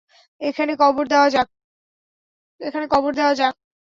এখানে কবর দেওয়া যাক।